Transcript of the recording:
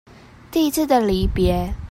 第一次的離別